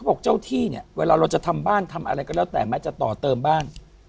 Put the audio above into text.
พี่แล้วตอนมาจะต่อเติมบ้าน